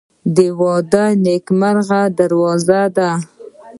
• واده د نیکمرغۍ دروازه ده.